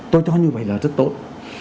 tôi cho như vậy là rất tốt